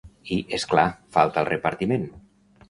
I, és clar, falta el repartiment.